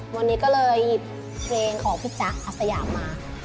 วันนี้ก็เลยหยิบเพลงของพี่จ๊ะอัศยามา